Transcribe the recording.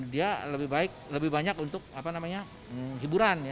dia lebih banyak untuk hiburan